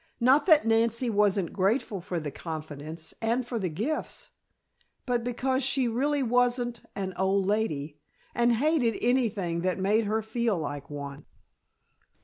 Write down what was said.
Not that Nancy wasn't grateful for the confidence and for the gifts, but because she really wasn't "an old lady" and hated anything that made her feel like one.